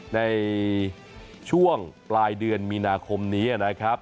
ในช่วงปลายเดือนมีนาคมนี้นะครับ